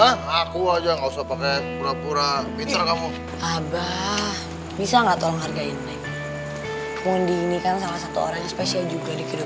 hah gak bisa gak bisa saya harus cari tau